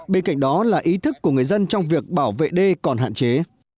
bên cạnh đó là ý thức của người dân trong việc bảo vệ đê còn hạn chế